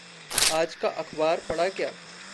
आज का अख़बार पढ़ा क्या?